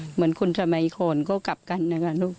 เหมือนคนสมัยก่อนก็กลับกันนะคะลูก